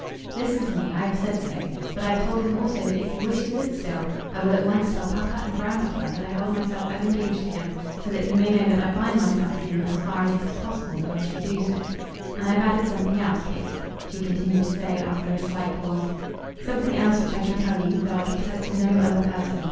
"Listen to me. I have said so. But I have told him also that if he wishes it still, I will at once tell papa and grandpapa that I hold myself as engaged to him, so that he may know that I bind myself to him as far as it is possible that I should do so. And I have added something else, Kate," she continued to say after a slight pause, "something else which I can tell you, though I could tell it to no other person.